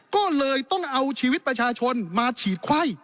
ก็เลยต้องเอาชีวิตประชาชนมาฉีดไข้